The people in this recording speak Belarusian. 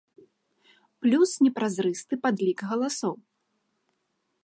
Плюс непразрысты падлік галасоў.